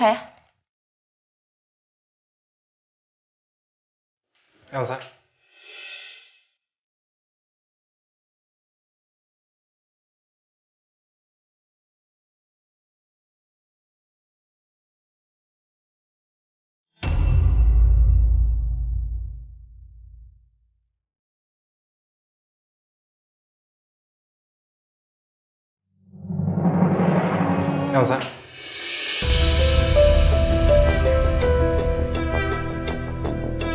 mari ibu itu saya